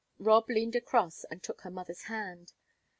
Rob leaned across and took her mother's hand.